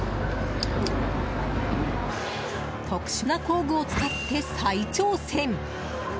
特殊な工具を使って再挑戦。